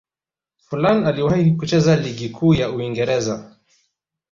forlan aliwahi kucheza ligi kuu ya uingereza